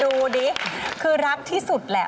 ดูดิคือรักที่สุดแหละ